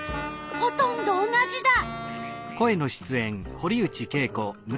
ほとんど同じだ。